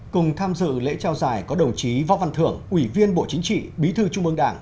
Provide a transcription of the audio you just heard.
cùng tham dự lễ trao giải có đồng chí võ văn thưởng ủy viên bộ chính trị bí thư trung ương đảng